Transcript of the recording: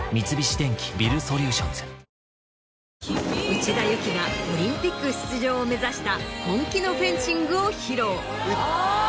内田有紀がオリンピック出場を目指した本気のフェンシングを披露。